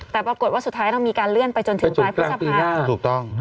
แต่ปรากฏว่าสุดท้ายเรามีการเลื่อนไปจนถึงกลางปีหน้า